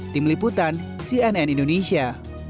tim liputan cnn indonesia